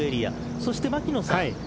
そして牧野さん